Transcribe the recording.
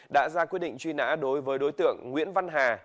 đã ra quyết định truy nã đối với đối tượng nguyễn văn hà